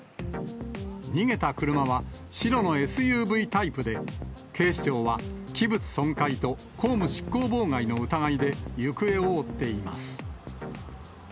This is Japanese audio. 逃げた車は、白のＳＵＶタイプで、警視庁は器物損壊と公務執行妨害の疑いで行方を追っています。